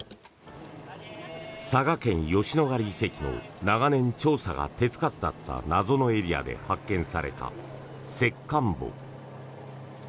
佐賀県・吉野ヶ里遺跡の長年調査が手付かずだった謎のエリアで発見された石棺墓。